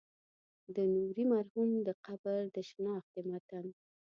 د نوري مرحوم د قبر د شنختې متن.